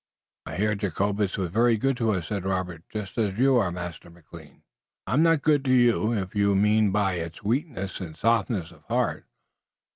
"Mynheer Jacobus was very good to us," said Robert. "Just as you are, Master McLean." "I am not good to you, if you mean by it weakness and softness of heart.